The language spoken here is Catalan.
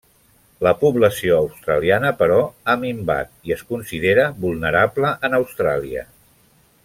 La població australiana però, ha minvat, i es considera vulnerable en Austràlia.